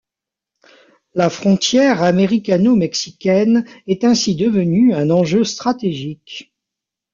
La frontière américano-mexicaine est ainsi devenue un enjeu stratégique.